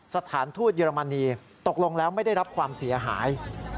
สถานทูตเยอรมนีตกลงแล้วไม่ได้รับความเสียหาย